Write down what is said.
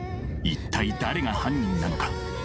一体誰が犯人なのか。